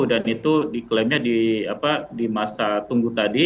dan itu diklaimnya di masa tunggu tadi